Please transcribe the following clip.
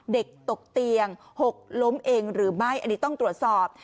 เด็กตกเตียงหกล้มเองหรือไม่อันนี้ต้องตรวจสอบ